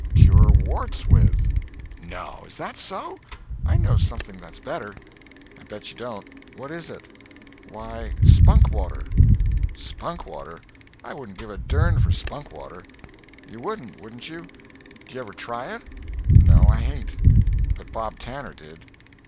Cure warts with." "No! Is that so? I know something that's better." "I bet you don't. What is it?" "Why, spunk water." "Spunk water! I wouldn't give a dern for spunk water." "You wouldn't, wouldn't you? D'you ever try it?" "No, I hain't. But Bob Tanner did."